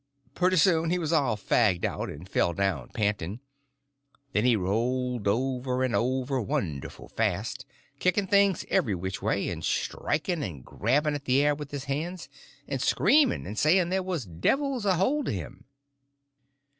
Pretty soon he was all fagged out, and fell down panting; then he rolled over and over wonderful fast, kicking things every which way, and striking and grabbing at the air with his hands, and screaming and saying there was devils a hold of him.